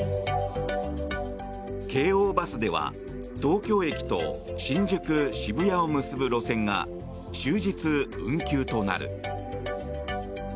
京王バスでは東京駅と新宿渋谷を結ぶ路線が終日運休となる。